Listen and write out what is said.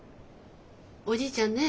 おじいちゃんね